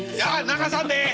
流さんでええ！